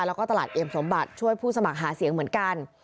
แล้วก็ตลาดเอ็มสมบัติช่วยผู้สมัครหาเสียงเหมือนกัน